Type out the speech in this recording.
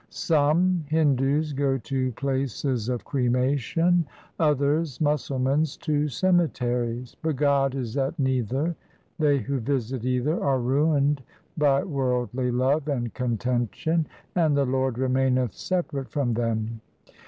Some (Hindus) go to places of cremation ; others (Musal mans) to cemeteries ; But God is at neither. They who visit either are ruined by worldly love and contention, And the Lord remaineth separate from them.